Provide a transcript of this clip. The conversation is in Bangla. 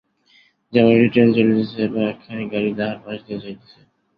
যেমন একটি ট্রেন চলিতেছে এবং একখানি গাড়ী তাহার পাশ দিয়া যাইতেছে।